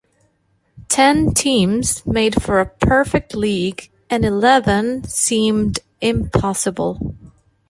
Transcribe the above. Ten teams made for a perfect league and eleven seemed impossible.